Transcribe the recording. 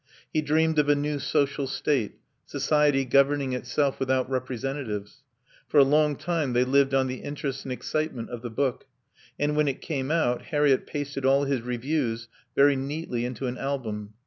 He dreamed of a new Social State, society governing itself without representatives. For a long time they lived on the interest and excitement of the book, and when it came out Harriett pasted all his reviews very neatly into an album.